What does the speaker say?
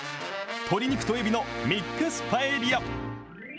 鶏肉とえびのミックスパエリア。